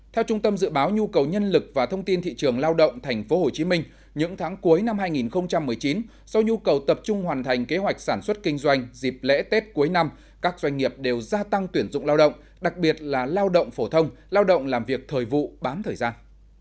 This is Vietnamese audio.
theo trung tâm dự báo nhu cầu nhân lực và thông tin thị trường lao động tp hcm những tháng cuối năm hai nghìn một mươi chín do nhu cầu tập trung hoàn thành kế hoạch sản xuất kinh doanh dịp lễ tết cuối năm các doanh nghiệp đều gia tăng tuyển dụng lao động đặc biệt là lao động phổ thông lao động làm việc thời vụ bám thời gian